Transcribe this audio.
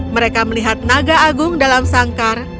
mereka melihat naga agung dalam sangkar